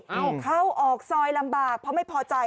เข้าออกซอยลำบากเพราะไม่พอใจ